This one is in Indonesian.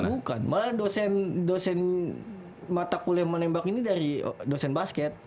bukan malah dosen mata kuliah menembak ini dari dosen basket